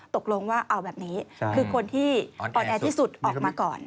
ตกลงว่าเอาแบบนี้คือคนที่อ่อนแอที่สุดออกมาก่อน